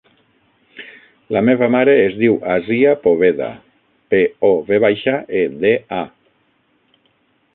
La meva mare es diu Asia Poveda: pe, o, ve baixa, e, de, a.